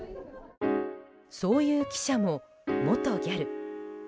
そういう記者も、元ギャル。